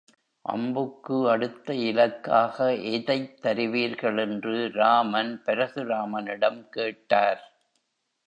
அம்புக்கு அடுத்த இலக்காக எதைத் தருவீர்கள் என்று ராமன் பரசுராமனிடம் கேட்டார்.